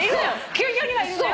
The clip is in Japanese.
球場にはいるのよ。